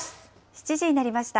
７時になりました。